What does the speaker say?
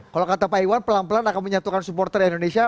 kalau kata pak iwan pelan pelan akan menyatukan supporter indonesia